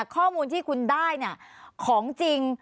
ข้อมูลที่คุณได้ของจริง